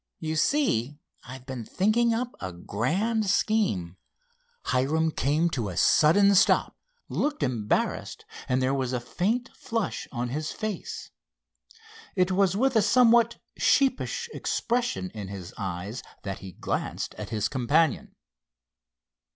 You see, I've been thinking up a grand scheme—" Hiram came to a sudden stop, looked embarrassed, and there was a faint flush on his face. It was with a somewhat sheepish expression in his eyes that he glanced at his companion.